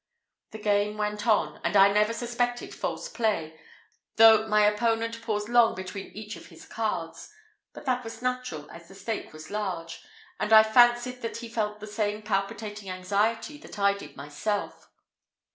The game went on, and I never suspected false play, though my opponent paused long between each of his cards; but that was natural, as the stake was large, and I fancied that he felt the same palpitating anxiety that I did myself.